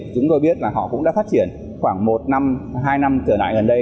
chúng tôi biết là họ cũng đã phát triển khoảng một năm hai năm trở lại gần đây